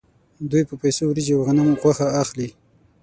دوی په پیسو وریجې او غنم او غوښه اخلي